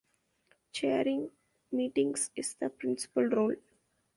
Chairing meetings is the principal role.